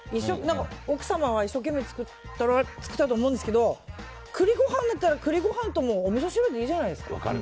奥様は一生懸命作ったと思うんですけど栗ご飯だったら、もう栗ご飯とおみそ汁でいいじゃないですか。